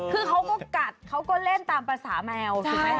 คือเขาก็กัดเขาก็เล่นตามภาษาแมวถูกไหมค